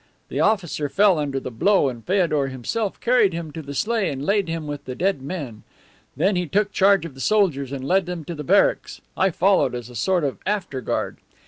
The officer fell under the blow and Feodor himself carried him to the sleigh and laid him with the dead men. Then he took charge of the soldiers and led them to the barracks. I followed, as a sort of after guard.